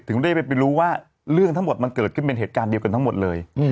ถึงได้ไปรู้ว่าเรื่องทั้งหมดมันเกิดขึ้นเป็นเหตุการณ์เดียวกันทั้งหมดเลย